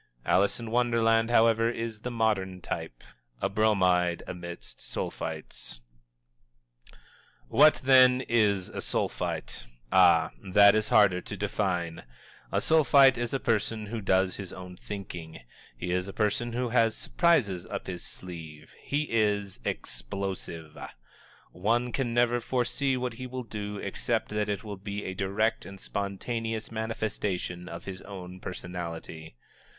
Alice in Wonderland, however, is the modern type a Bromide amidst Sulphites. What, then, is a Sulphite? Ah, that is harder to define. A Sulphite is a person who does his own thinking, he is a person who has surprises up his sleeve. He is explosive. One can never foresee what he will do, except that it will be a direct and spontaneous manifestation of his own personality.